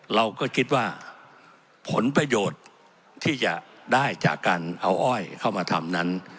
เราก็คิดว่าผลประโยชน์ที่จะได้จากการเอาอ้อยเข้ามาทำนั้น